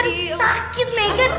aduh sakit megan